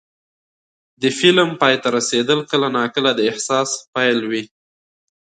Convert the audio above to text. د فلم پای ته رسېدل کله ناکله د احساس پیل وي.